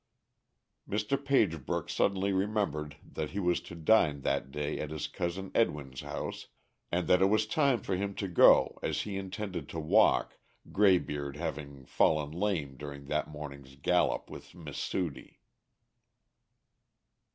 Mr. Pagebrook suddenly remembered that he was to dine that day at his cousin Edwin's house, and that it was time for him to go, as he intended to walk, Graybeard having fallen lame during that morning's gallop with Miss Sudie.